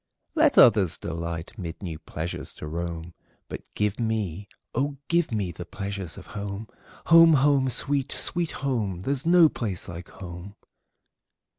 Let others delight mid new pleasures to roam, But give me, oh, give me, the pleasures of home! Home! home! sweet, sweet home! There 's no place like home!